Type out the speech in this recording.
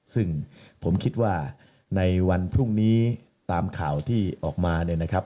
ซึ่งผมคิดว่าในวันพรุ่งนี้ตามข่าวที่ออกมาเนี่ยนะครับ